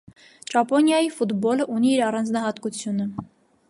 Ճապոնիայի ֆուտբոլը ունի իր առանձնահատկությունը։